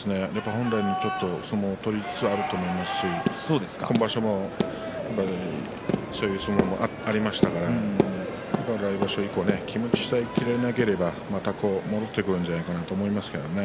本来の相撲を取りつつあると思いますし今場所もそういう相撲もありましたからまた来場所以降気持ちさえ切れなければまた戻ってくるんじゃないかなと思いますけどね。